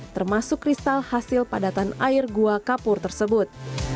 termasuk kristal hasil padatan air gua kapur tersebut